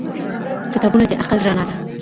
کتابونه د عقل رڼا ده.